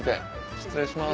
失礼します